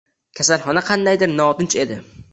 Kasalxona qandaydir notinch edi